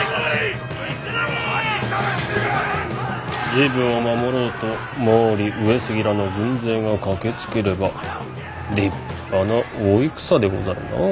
治部を守ろうと毛利上杉らの軍勢が駆けつければ立派な大戦でござるなあ。